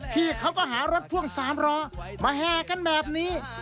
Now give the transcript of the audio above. พี่เขาก็หารถพ่วง๓ล้อมาแห่กันแบบนี้